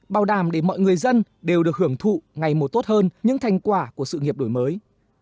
bao đàm để mọi người dân đều được hưởng thụ ngày mùa tốt hơn những thành quả của sự nghiệp đổi mới